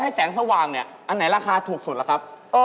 เฮ่ยน้องอันนี้ถูกกว่า